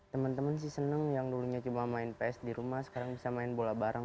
teman teman sih seneng yang dulunya cuma main ps di rumah sekarang bisa main bola bareng